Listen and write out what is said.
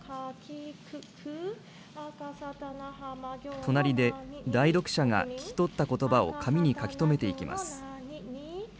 隣で、代読者が聞き取ったことばを、紙に書き留めていきます。